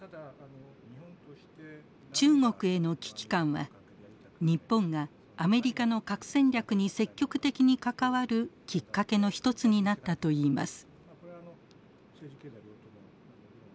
中国への危機感は日本がアメリカの核戦略に積極的に関わるきっかけの一つになったといいます。